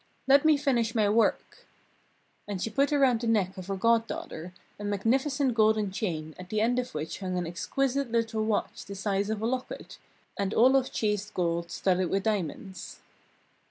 "Let me finish my work." And she put around the neck of her goddaughter a magnificent golden chain at the end of which hung an exquisite little watch the size of a locket, and all of chased gold studded with diamonds.